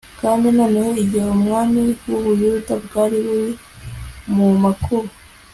kandi noneho igihe ubwami bwUbuyuda bwari buri mu makuba